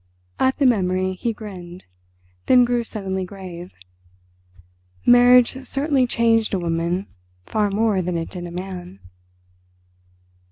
At the memory he grinned, then grew suddenly grave. Marriage certainly changed a woman far more than it did a man.